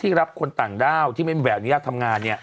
รับคนต่างด้าวที่ไม่มีใบอนุญาตทำงาน